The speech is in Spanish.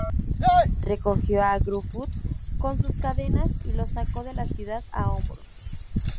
Recogió a Gruffudd con sus cadenas, y lo sacó de la ciudad a hombros.